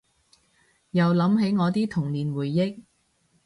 又諗起我啲童年回憶